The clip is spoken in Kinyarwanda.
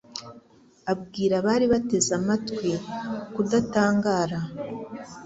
Abwira abari bamuteze amatwi kudatangara,